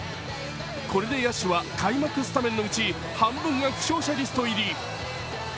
これで野手は開幕スタメンのうち半分が負傷者リスト入り。